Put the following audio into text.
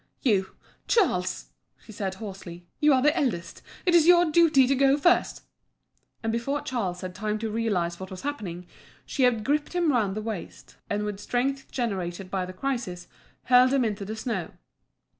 "You, Charles," she said hoarsely, "you are the eldest; it is your duty to go first" and before Charles had time to realize what was happening, she had gripped him round the waist, and with strength generated by the crisis hurled him into the snow.